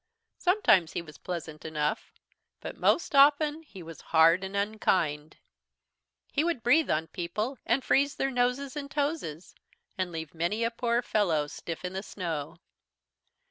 Sometimes he was pleasant enough, but most often he was hard and unkind. He would breathe on people, and freeze their noses and toeses, and leave many a poor fellow stiff on the snow.